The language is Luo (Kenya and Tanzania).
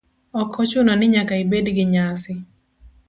Ok ochuno ni nyaka ibed gi nyasi.